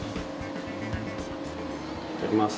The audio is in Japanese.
いただきます。